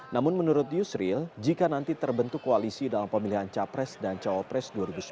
namun menurut yusril jika nanti terbentuk koalisi dalam pemilihan capres dan cawapres dua ribu sembilan belas